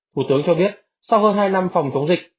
thủ tướng cho biết sau hơn hai năm phòng chống dịch